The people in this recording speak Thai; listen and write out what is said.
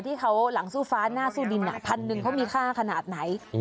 ที่เขาหลังสู้ฟ้าหน้าสู้ดินพันหนึ่งเขามีค่าขนาดไหน